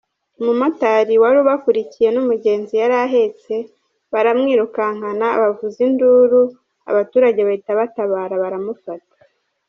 Umumotari wari ubakurikiye n’umugenzi yari ahetse baramwirukankana bavuza induru abaturage bahita batabara baramufata.